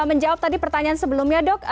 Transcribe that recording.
menjawab tadi pertanyaan sebelumnya dok